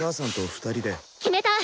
決めた。